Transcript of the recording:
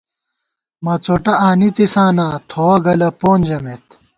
مڅوٹہ آنِتِساں نا ، تھوَہ گلہ پون ژَمېت